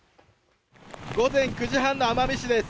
午前９時半の奄美市です。